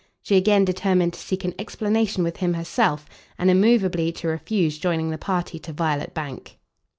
She again determined to seek an explanation with him herself, and immovably to refuse joining the party to Violet Bank.